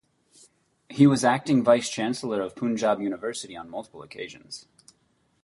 He was acting Vice-Chancellor of Punjab University on multiple occasions.